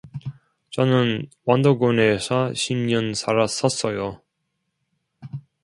저는 완도군에서 십 년 살았었어요